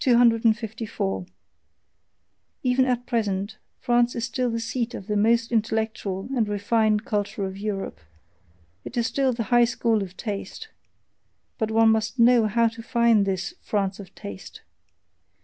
254. Even at present France is still the seat of the most intellectual and refined culture of Europe, it is still the high school of taste; but one must know how to find this "France of taste."